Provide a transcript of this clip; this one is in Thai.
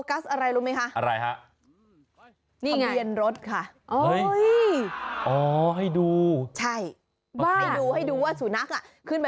ขอหลังก็ไมบุคคล่อง